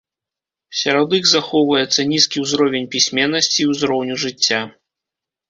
Сярод іх захоўваецца нізкі ўзровень пісьменнасці і ўзроўню жыцця.